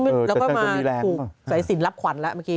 แล้วก็มาถูกสายสินรับขวัญแล้วเมื่อกี้